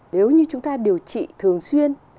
nếu như chúng ta điều trị thường xuyên